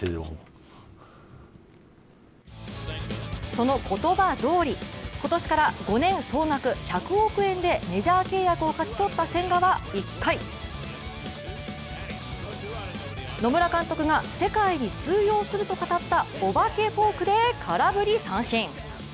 その言葉どおり、今年から５年総額１００億円でメジャー契約を勝ち取った千賀は１回、野村監督が世界に通用すると語ったお化けフォークで空振り三振。